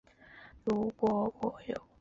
凯撒决定要用他的名兴建一个广场。